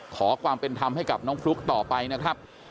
ขอความเป็นธรรมให้กับน้องฟลุ๊กต่อไปนะครับ